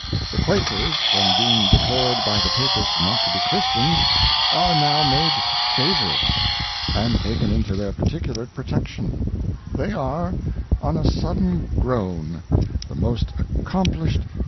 The Quakers from being declared by the Papists not to be Christians, are now made Favourites, and taken into their particular Pro tection; they are on a sudden grown the most accomplished Men A Letter to a Dissenter.